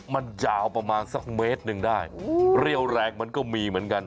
มันยาวประมาณสักเมตรหนึ่งได้เรี่ยวแรงมันก็มีเหมือนกัน